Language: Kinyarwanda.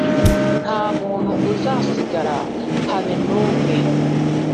Nta muntu uzasigara, habe n’umwe